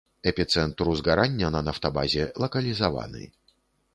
Эпіцэнтр узгарання на нафтабазе лакалізаваны.